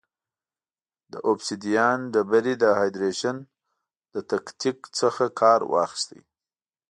د اوبسیدیان ډبرې د هایدرېشن له تکتیک څخه کار واخیست.